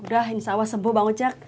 udah insya allah sembuh bang ucak